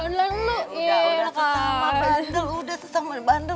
udah udah sesama bandel udah sesama bandel